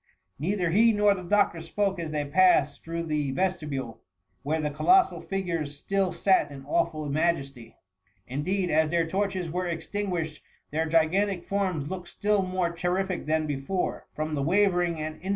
Neither he nor the doctor spoke as they passed through the vesti bule, where the colossal figures still sat in awftil majesty; indeed, as their torches were extin* guished, their gigantic forms looked still more j terrific than before, from the wavering and in.